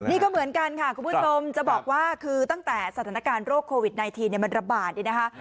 นี่ก็เหมือนกันค่ะคุณผู้ชมจะบอกว่าคือตั้งแต่สถานการณ์โรคโควิด๑๙มันระบาดนี่นะคะ